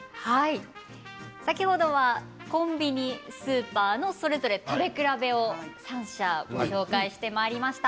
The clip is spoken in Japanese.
先ほどは、コンビニスーパーのそれぞれ食べ比べを３社ご紹介してまいりました。